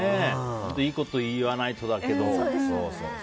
いいこと言わないとって。